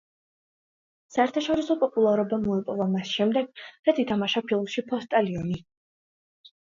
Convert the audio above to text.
საერთაშორისო პოპულარობა მოიპოვა მას შემდეგ, რაც ითამაშა ფილმში „ფოსტალიონი“.